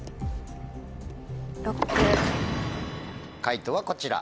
解答はこちら。